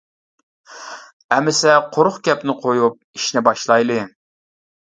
ئەمىسە قۇرۇق گەپنى قويۇپ ئىشنى باشلايلى.